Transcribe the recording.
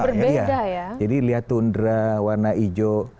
jadi kita bisa lihat tundra warna hijau